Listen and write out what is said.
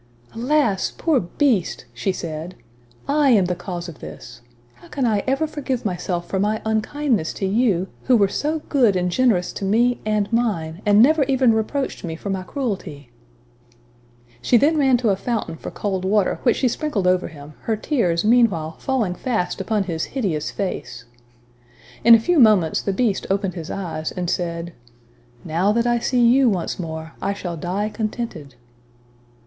"Alas! poor Beast!" she said, "I am the cause of this. How can I ever forgive myself for my unkindness to you, who were so good and generous to me, and mine, and never even reproached me for my cruelty?" [Illustration: The Beast Dying.] She then ran to a fountain for cold water, which she sprinkled over him, her tears meanwhile falling fast upon his hideous face. In a few moments the Beast opened his eyes, and said, "now, that I see you once more, I shall die contented."